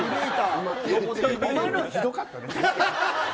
お前のひどかったで。